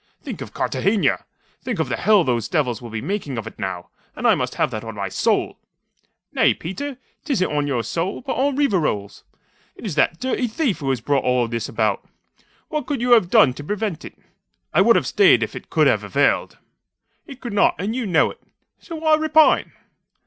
Think of Cartagena! Think of the hell those devils will be making of it now! And I must have that on my soul!" "Nay, Peter 't isn't on your soul; but on Rivarol's. It is that dirty thief who has brought all this about. What could you have done to prevent it?" "I would have stayed if it could have availed." "It could not, and you know it. So why repine?"